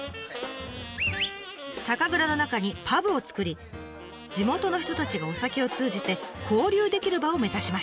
酒蔵の中にパブを作り地元の人たちがお酒を通じて交流できる場を目指しました。